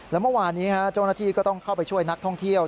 แล้วเมื่อวานนี้เจ้าหน้าที่ก็ต้องเข้าไปช่วยนักท่องเที่ยว